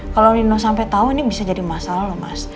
kalo nino sampe tau ini bisa jadi masalah loh mas